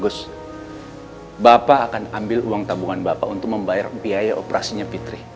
gus bapak akan ambil uang tabungan bapak untuk membayar biaya operasinya fitri